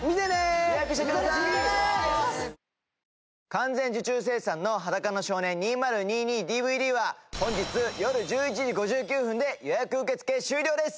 完全受注生産の『裸の少年２０２２ＤＶＤ』は本日夜１１時５９分で予約受け付け終了です。